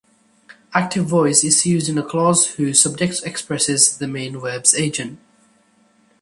Active voice is used in a clause whose subject expresses the main verb's agent.